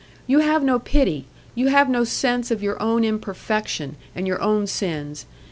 You have no pity; you have no sense of your own imperfection and your own sins.